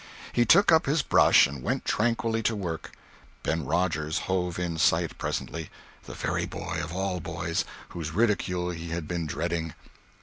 He took up his brush and went tranquilly to work. Ben Rogers hove in sight presently—the very boy, of all boys, whose ridicule he had been dreading.